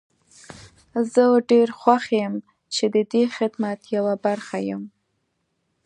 زه ډير خوښ يم چې ددې خدمت يوه برخه يم.